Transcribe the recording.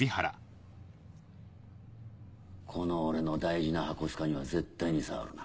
この俺の大事なハコスカには絶対に触るな。